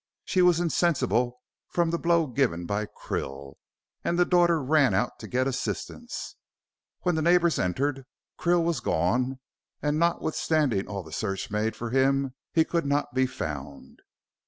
She was insensible from the blow given by Krill, and the daughter ran out to get assistance. When the neighbors entered, Krill was gone, and notwithstanding all the search made for him he could not be found."